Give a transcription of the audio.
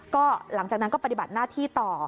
ก็หลังจากนั้นก็ปฏิบัติหน้าที่ต่อ